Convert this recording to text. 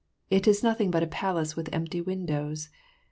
It is nothing but a palace with empty windows.